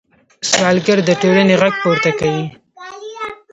سوالګر د ټولنې غږ پورته کوي